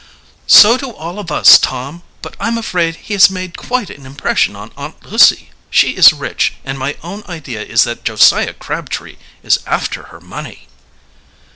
"So do all of us, Tom; but I'm afraid he has made quite an impression on Aunt Lucy. She is rich; and my own idea is that Josiah Crabtree is after her money."